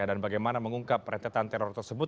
dan bagaimana mengungkap catatan teror tersebut